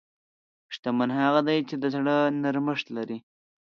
شتمن هغه دی چې د زړه نرمښت لري.